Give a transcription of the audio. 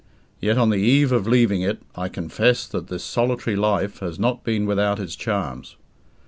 Yet, on the eve of leaving it, I confess that this solitary life has not been without its charms.